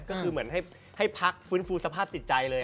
ก็คือเหมือนให้พักฟื้นฟูสภาพจิตใจเลย